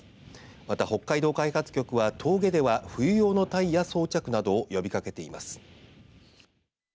また北海道開発局は峠では冬用のタイヤ装着などを呼びかけています。